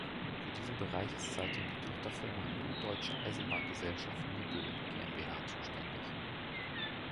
Für diesen Bereich ist seitdem die Tochterfirma "Norddeutsche Eisenbahngesellschaft Niebüll GmbH" zuständig.